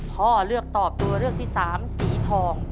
พ่อเลือกตอบตัวเลือกที่สามสีทอง